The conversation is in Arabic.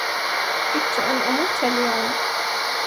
كدت أن أموت اليوم.